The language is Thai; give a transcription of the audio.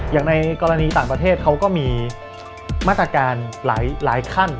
อย่างในกรณีต่างประเทศเขาก็มีมาตรการหลายขั้น